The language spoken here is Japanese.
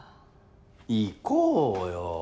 行こうよ！